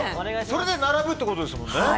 それで並ぶってことですもんね。